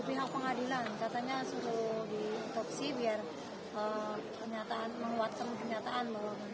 bahwa memang di dalam kemaluan korban